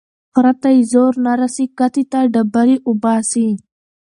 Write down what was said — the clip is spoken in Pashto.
ـ خره ته يې زور نه رسي کتې ته ډبلي اوباسي.